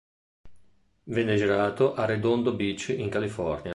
Venne girato a Redondo Beach, in California.